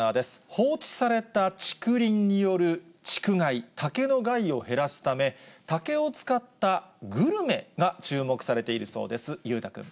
放置された竹林による竹害、竹の害を減らすため、竹を使ったグルメが注目されているそうです。